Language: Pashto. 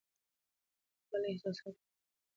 لیکوالی د احساساتو، فکر او عقل ترمنځ اړیکه رامنځته کوي.